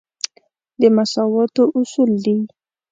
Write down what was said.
د مساواتو اصول دی.